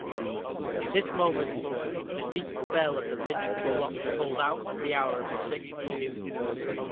At this moment the deep bell of the Minster clock tolled out the hour of six.